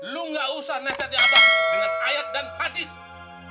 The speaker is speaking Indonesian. lo nggak usah neseti abah dengan ayat dan hadis